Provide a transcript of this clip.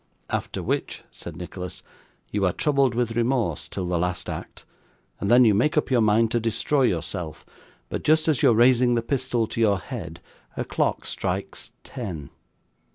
'After which,' said Nicholas, 'you are troubled with remorse till the last act, and then you make up your mind to destroy yourself. But, just as you are raising the pistol to your head, a clock strikes ten.